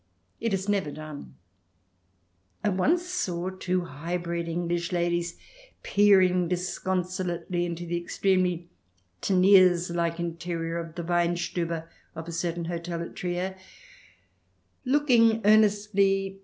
It is never done. I once saw two high bred English ladies peering disconsolately into the extremely Teniers like interior of the Weinstube of a certain hotel at Trier, looking earnestly for the CH.